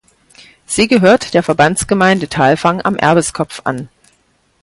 Sie gehört der Verbandsgemeinde Thalfang am Erbeskopf an.